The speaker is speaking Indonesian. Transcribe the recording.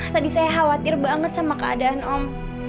tadi saya khawatir banget sama keadaan om